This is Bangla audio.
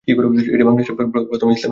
এটি বাংলাদেশের প্রথম ইসলামি চ্যানেল।